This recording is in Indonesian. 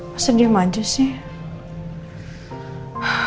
masa diam aja sih